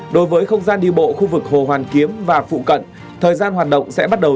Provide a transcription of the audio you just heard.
đối với không gian đi bộ khu vực hồ hoàn kiếm và phụ cận thời gian hoạt động sẽ bắt đầu